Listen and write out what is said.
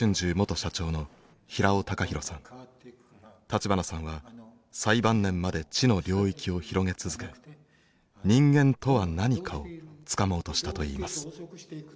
立花さんは最晩年まで知の領域を広げ続け人間とは何かをつかもうとしたといいます。